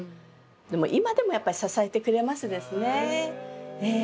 でも今でもやっぱり支えてくれますですね。